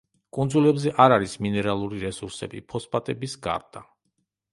კუნძულებზე არ არის მინერალური რესურსები, ფოსფატების გარდა.